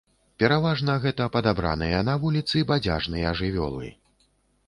Пераважна гэта падабраныя на вуліцы бадзяжныя жывёлы.